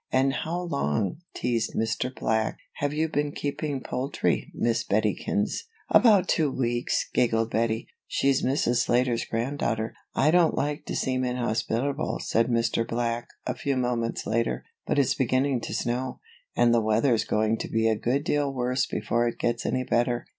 "And how long," teased Mr. Black, "have you been keeping poultry, Miss Bettykins?" "About two weeks," giggled Bettie. "She's Mrs. Slater's granddaughter." "I don't like to seem inhospitable," said Mr. Black, a few moments later, "but it's beginning to snow, and the weather's going to be a good deal worse before it gets any better.